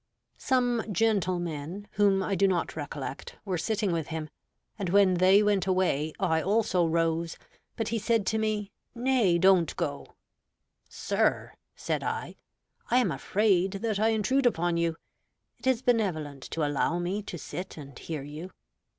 Some gentlemen, whom I do not recollect, were sitting with him; and when they went away, I also rose; but he said to me, "Nay, don't go." "Sir" (said I), "I am afraid that I intrude upon you. It is benevolent to allow me to sit and hear you."